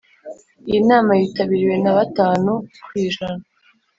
Iyi nama yitabiriwe na batanu ku ijana